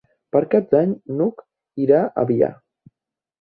Per Cap d'Any n'Hug irà a Biar.